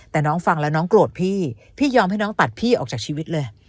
แต่น้องฟังแล้วน้องโกรธพี่พี่ยอมให้น้องตัดพี่ออกจากชีวิตเลย